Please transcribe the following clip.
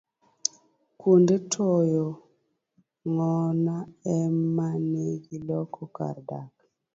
Kuonde toyo ng'ona emane giloko kar dak.